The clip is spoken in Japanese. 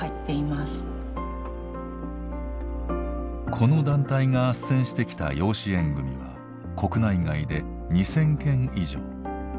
この団体があっせんしてきた養子縁組は国内外で２，０００件以上。